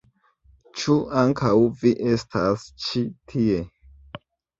Ĉu ankaŭ vi estas ĉi tie?